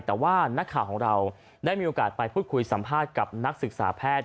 แต่ว่านักข่าวของเราได้มีโอกาสไปพูดคุยสัมภาษณ์กับนักศึกษาแพทย์